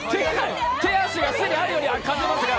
手足が既にあるように感じますが。